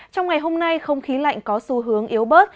trong ngày hôm nay không khí lạnh có xu hướng yếu bớt